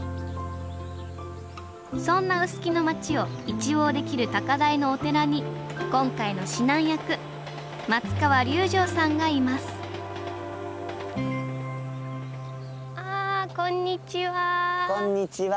そんな臼杵の町を一望できる高台のお寺に今回の指南役松川隆乗さんがいますあこんにちは。